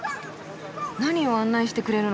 何を案内してくれるのかな？